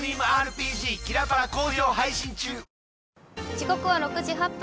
時刻は６時８分。